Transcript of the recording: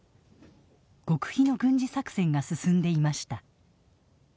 極秘の軍事作戦が進んでいました。